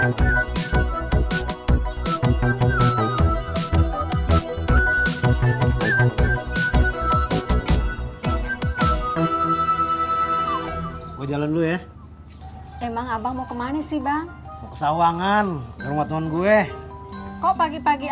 gua jalan dulu ya emang abang mau ke mana sih bang kesawangan rumah teman gue kok pagi pagi